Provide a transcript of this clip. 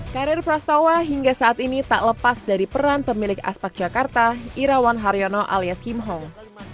karir prastawa hingga saat ini tak lepas dari peran pemilik aspak jakarta irawan haryono alias kim hong